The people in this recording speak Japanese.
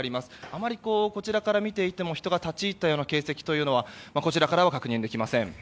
あまりこちらから見ていても人が立ち入ったような形跡はこちらからは確認できません。